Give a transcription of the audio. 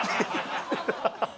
ハハハハ。